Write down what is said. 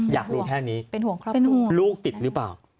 อยากรู้แค่นี้ลูกติดหรือเปล่า